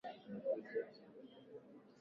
Wadhifa huo aliutumikia mpaka anafikwa na mauti